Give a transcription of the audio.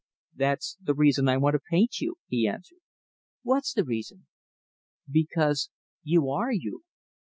"That's the reason I want to paint you," he answered. "What's the reason?" "Because you are you."